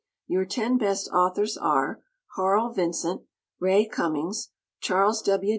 Your ten best authors are: Harl Vincent, Ray Cummings, Charles W.